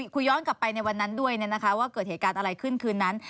คุยย้อนกลับไปในวันนั้นด้วยว่าเกิดเหตุการณ์อะไรขึ้นคืนนั้น